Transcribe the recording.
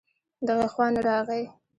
دغې خوا نه راغی